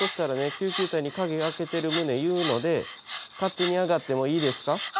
救急隊に鍵開けてる旨言うので勝手に上がってもいいですか？